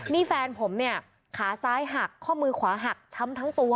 นี่แฟนผมเนี่ยขาซ้ายหักข้อมือขวาหักช้ำทั้งตัว